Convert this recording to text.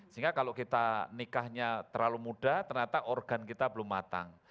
sehingga kalau kita nikahnya terlalu muda ternyata organ kita belum matang